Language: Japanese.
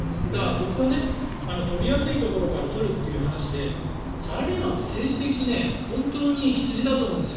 僕は、取りやすいところから取るっていう話でサラリーマンって政治的に本当に羊だと思うんです。